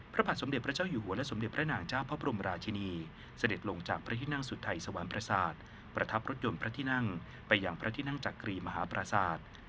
พระบาทสมเด็จพระเจ้าอยู่หัวและสมเด็จพระนางเจ้าพระบรมราชินีเสด็จลงจากพระที่นั่งสุทัยสวรรค์ประสาทประทับรถยนต์พระที่นั่งไปอย่างพระที่นั่งจักรีมหาปราศาสตร์